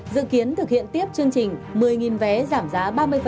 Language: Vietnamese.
dự kiến thực hiện tiếp chương trình một mươi vé giảm giá ba mươi